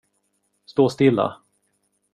Stå stilla.